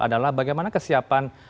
adalah bagaimana kesiapan